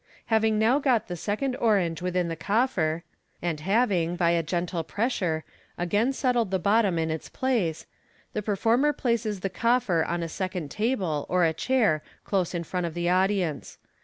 Having now got the second orange within the coffer, and having, by a gentle pressure, again settled the bottom in its place, the performer places the coffer on a second table or a chair close in front of the audience.